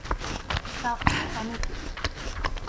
তাহলে আমি কে?